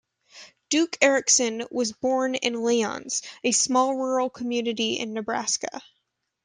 Duke Erikson was born in Lyons, a small rural community in Nebraska.